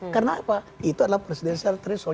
karena apa itu adalah presiden sertresul